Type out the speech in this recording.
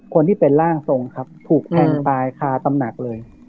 คนที่เป็นร่างทรงครับถูกแทงตายคาตำหนักเลย